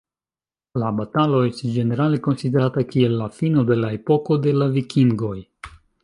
La batalo estis ĝenerale konsiderata kiel la fino de la epoko de la Vikingoj.